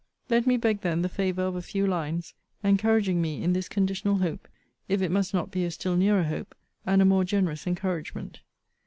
Let me beg then the favour of a few lines, encouraging me in this conditional hope, if it must not be a still nearer hope, and a more generous encouragement.